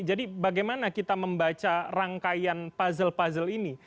jadi bagaimana kita membaca rangkaian puzzle puzzle ini